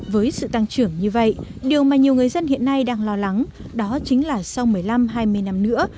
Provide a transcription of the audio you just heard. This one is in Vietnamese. với sự tăng trưởng như vậy điều mà nhiều người dân hiện nay đang lo lắng đó chính là sau một mươi năm hai mươi năm nữa